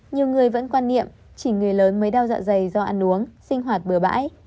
nhiều người vẫn quan niệm chỉ người lớn mới đau dạ dày do ăn uống sinh hoạt bừa bãi